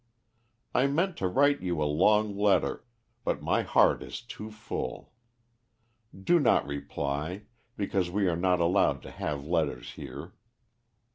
I meant to write you a long letter, but my heart is too full. Do not reply, because we are not allowed to have letters here.